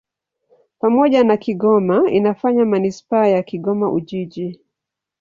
Pamoja na Kigoma inafanya manisipaa ya Kigoma-Ujiji.